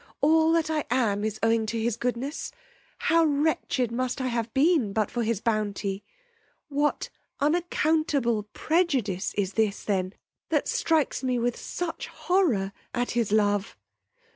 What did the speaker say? All that I am is owing to his goodness. How wretched must I have been but for his bounty! What unaccountable prejudice is this then that strikes me with such horror at his love!